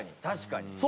確かに。